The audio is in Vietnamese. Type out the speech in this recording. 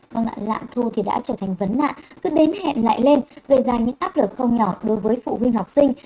lạng thu thì đã trở thành vấn nạn cứ đến hẹn lại lên gây ra những áp lực không nhỏ đối với phụ huynh học sinh